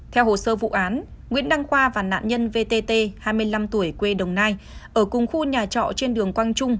theo hồ sơ vụ án nguyễn đăng khoa và nạn nhân vtt hai mươi năm tuổi quê đồng nai ở cùng khu nhà trọ trên đường quang trung